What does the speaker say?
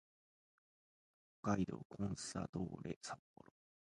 北海道コンサドーレ札幌